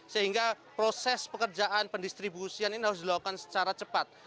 sehingga proses pekerjaan pendistribusian ini harus dilakukan secara cepat